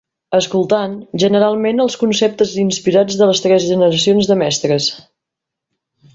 ...escoltant, generalment, els conceptes inspirats de tres generacions de mestres